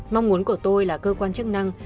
mong muốn của tôi là cơ quan chức năng